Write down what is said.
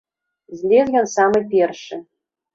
Злез ён самы першы.